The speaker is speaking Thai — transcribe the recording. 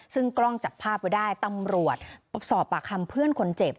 ซึ่งกล้องจับภาพไว้ได้ตำรวจสอบปากคำเพื่อนคนเจ็บ